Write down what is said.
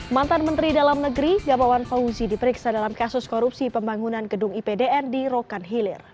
mantan menteri dalam negeri gamawan fauzi diperiksa dalam kasus korupsi pembangunan gedung ipdn di rokan hilir